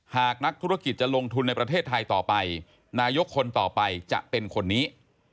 หากนักธุรกิจจะลงทุนในประเทศไทยต่อไปนายกคนต่อไปจะเป็นคนนี้